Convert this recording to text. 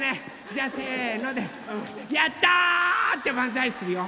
じゃあせので「やった！」ってばんざいするよ。